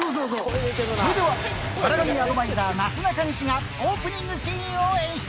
それでは、笑神アドバイザー、なすなかにしがオープニングシーンを演出。